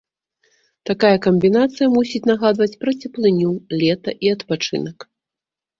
Такая камбінацыя мусіць нагадваць пра цеплыню, лета і адпачынак.